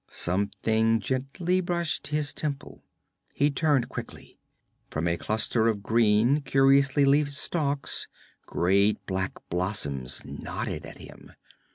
Something gently brushed his temple. He turned quickly. From a cluster of green, curiously leafed stalks, great black blossoms nodded at him.